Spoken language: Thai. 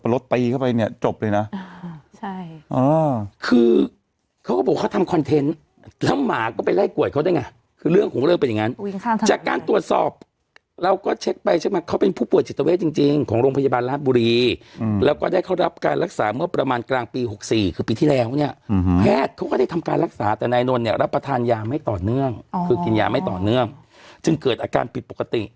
เรื่องของเรื่องเป็นอย่างงั้นจากการตรวจสอบเราก็เช็คไปเช็คมาเขาเป็นผู้ป่วยจิตเวทจริงจริงของโรงพยาบาลรัฐบุรีอืมแล้วก็ได้เขารับการรักษาเมื่อประมาณกลางปีหกสี่คือปีที่แล้วเนี้ยอืมแพทย์เขาก็ได้ทำการรักษาแต่ในนนเนี้ยรับประทานยาไม่ต่อเนื่องอ๋อคือกินยาไม่ต่อเนื่องจึงเกิดอาการปิดป